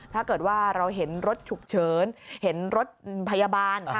ถ้าเกิดว่าเราเห็นรถฉุกเฉินเห็นรถพยาบาล